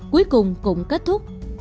cuối cùng cũng kết thúc